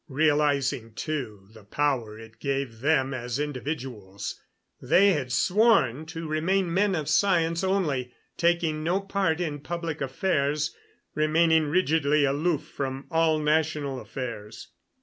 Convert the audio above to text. Realizing, too, the power it gave them as individuals, they had sworn to remain men of science only, taking no part in public affairs, remaining rigidly aloof from all national affairs.